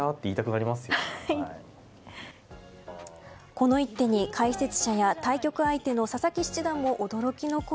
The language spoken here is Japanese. この一手に解説者や対局相手の佐々木七段も驚きの声。